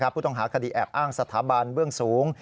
ผู้ต้องหาคดีแอบอ้างสถาบันเบื้องสูง